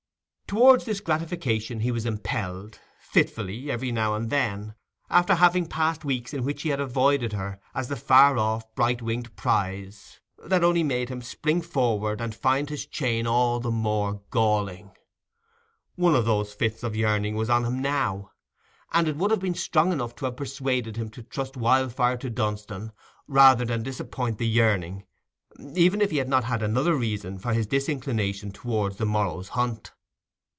Towards this gratification he was impelled, fitfully, every now and then, after having passed weeks in which he had avoided her as the far off bright winged prize that only made him spring forward and find his chain all the more galling. One of those fits of yearning was on him now, and it would have been strong enough to have persuaded him to trust Wildfire to Dunstan rather than disappoint the yearning, even if he had not had another reason for his disinclination towards the morrow's hunt.